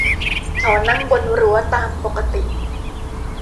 เขานั่งบนรั้วตามปกติ